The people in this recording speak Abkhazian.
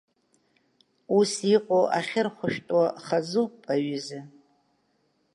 Ус иҟоу ахьырхәшәтәуа хазуп, аҩыза!